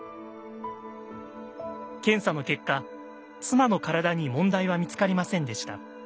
検査の結果妻の体に問題は見つかりませんでした。